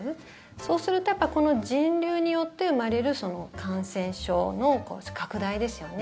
そうするとやっぱりこの人流によって生まれる感染症の拡大ですよね。